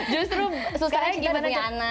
justru susahnya kita udah punya anak